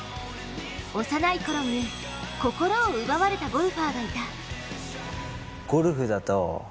幼いころに心を奪われたゴルファーがいた。